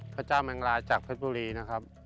พระเจ้าแมงลาจากเพชรบุรีนะครับ